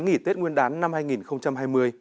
nghỉ tết nguyên đán năm hai nghìn hai mươi